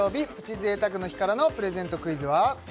贅沢の日からのプレゼントクイズは？